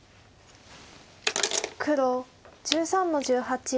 黒１３の十八。